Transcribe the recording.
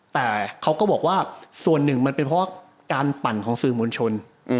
แต่เขาก็บอกว่าส่วนหนึ่งมันเป็นเพราะการปั่นของสื่อมวลชน